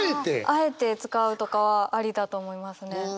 あえて使うとかはありだと思いますね。